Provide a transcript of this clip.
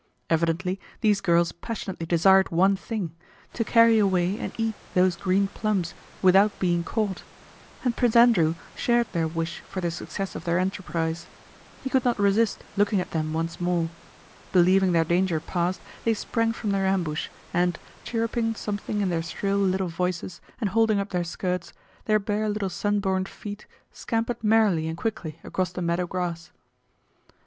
Evidently these girls passionately desired one thing—to carry away and eat those green plums without being caught—and Prince Andrew shared their wish for the success of their enterprise. He could not resist looking at them once more. Believing their danger past, they sprang from their ambush and, chirruping something in their shrill little voices and holding up their skirts, their bare little sunburned feet scampered merrily and quickly across the meadow grass.